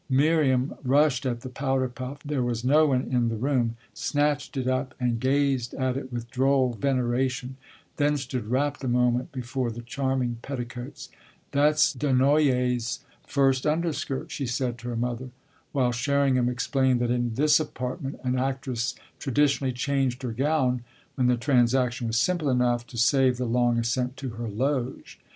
Miriam rushed at the powder puff there was no one in the room snatched it up and gazed at it with droll veneration, then stood rapt a moment before the charming petticoats ("That's Dunoyer's first underskirt," she said to her mother) while Sherringham explained that in this apartment an actress traditionally changed her gown when the transaction was simple enough to save the long ascent to her loge.